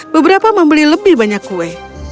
beberapa membeli lebih banyak kue